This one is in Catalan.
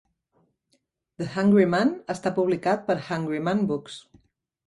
"The Hungry Man" està publicat per Hungry Man Books.